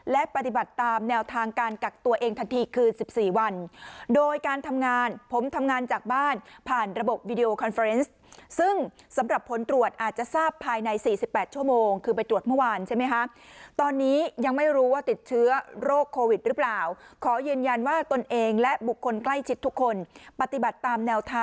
และปฏิบัติตามแนวทางการกักตัวเองทันทีคือ๑๔วันโดยการทำงานผมทำงานจากบ้านผ่านระบบวิดีโอคอนเฟอร์เนสซึ่งสำหรับผลตรวจอาจจะทราบภายใน๔๘ชั่วโมงคือไปตรวจเมื่อวานใช่ไหมคะตอนนี้ยังไม่รู้ว่าติดเชื้อโรคโควิดหรือเปล่าขอยืนยันว่าตนเองและบุคคลใกล้ชิดทุกคนปฏิบัติตามแนวท